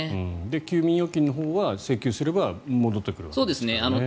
休眠預金のほうは請求すれば戻ってくるわけですからね。